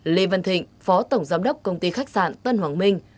lê văn thịnh phó tổng giám đốc công ty khách sạn tân hoàng minh